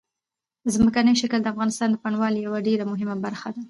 ځمکنی شکل د افغانستان د بڼوالۍ یوه ډېره مهمه برخه ده.